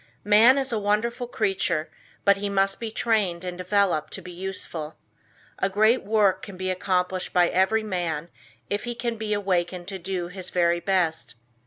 Man is a wonderful creature, but he must be trained and developed to be useful. A great work can be accomplished by every man if he can be awakened to do his very best.